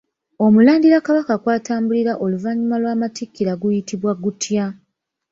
Omulandira Kabaka kwatambulira oluvannyuma lw'amatikkira guyitibwa gutya?